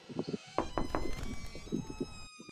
骨灰一般指遗体于火葬后所剩余的遗骸。